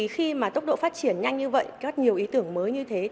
khi tốc độ phát triển nhanh như vậy có nhiều ý tưởng mới như thế